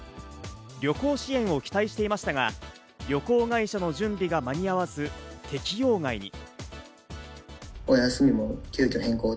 旅行支援を期待していましたが、旅行会社の準備が間に合わず適用外に。